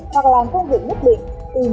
hoặc làm công việc nhất định